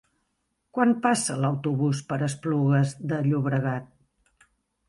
Quan passa l'autobús per Esplugues de Llobregat?